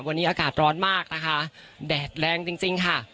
วันนี้อากาศร้อนมากนะคะแดดแรงจริงจริงค่ะ